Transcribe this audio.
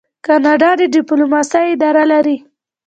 کاناډا د ډیپلوماسۍ اداره لري.